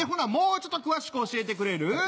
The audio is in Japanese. もうちょっと詳しく教えてくれる？